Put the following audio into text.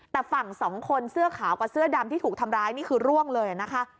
แต่ฝั่งสองคนเสื้อขาวกับเสื้อดำที่ถูกทำร้ายนี่คือร่วงเลยนะคะ